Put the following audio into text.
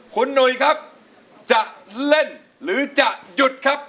คุณหนุ่ยครับจะเล่นหรือจะหยุดครับ